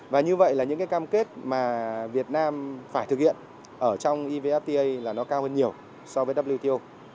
và như vậy là những cái cam kết mà việt nam phải thực hiện ở trong evfta là nó cao hơn nhiều so với wto